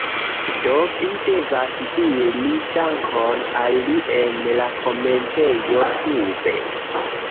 Do, vi devas diri dankon al li en la komentejo sube